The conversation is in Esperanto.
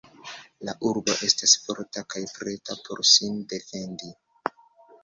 La urbo estas forta kaj preta por sin defendi.